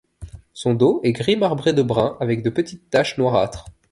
Son dos est gris marbré de brun avec de petites taches noirâtres.